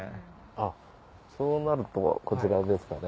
あっそうなるとこちらですかね。